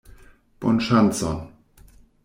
Bonŝancon!